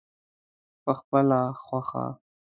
پخپله خوښه.